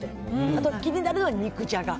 あと、気になるのは肉じゃが。